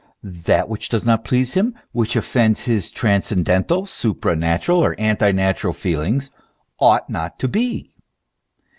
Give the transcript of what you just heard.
That which does not please him, which offends his transcendental, supranatural, or antinatural feelings, ought not to be.